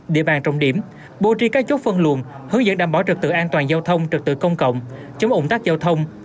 địa bàn trọng điểm bố trì các chốt phân luận hướng dẫn đảm bảo trực tự an toàn giao thông trực tự công cộng chống ủng tác giao thông